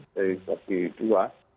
jadi bagi dua